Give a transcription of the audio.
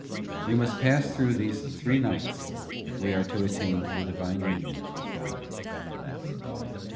We must pass through these three nights if we are to attain to the Divine union with God.